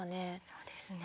そうですね。